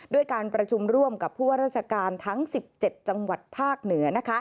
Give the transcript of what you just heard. ด้วยการประชุมร่วมกับผู้ว่าราชการทั้ง๑๗จังหวัดภาคเหนือ